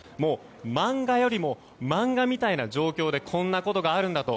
漫画よりも漫画みたいな状況でこんなことがあるんだと。